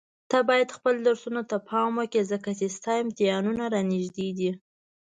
ته بايد خپل درسونو ته پام وکړي ځکه چي ستا امتحانونه نيږدي دي.